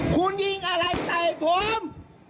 คุณยิงอะไรใส่ผม